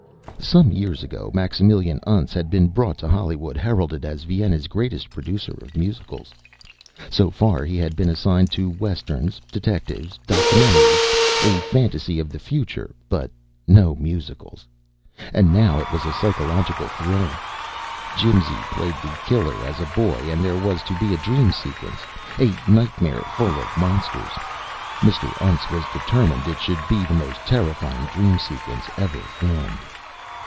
Some years ago Maximilian Untz had been brought to Hollywood heralded as Vienna's greatest producer of musicals. So far he had been assigned to westerns, detectives, documentaries, a fantasy of the future but no musicals. And now it was a psychological thriller. Jimsy played the killer as a boy and there was to be a dream sequence, a nightmare full of monsters. Mr. Untz was determined it should be the most terrifying dream sequence ever filmed.